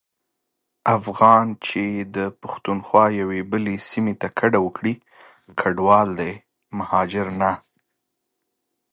افغان چي د پښتونخوا یوې بلي سيمي ته کډه وکړي کډوال دی مهاجر نه.